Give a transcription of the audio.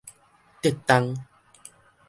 竹東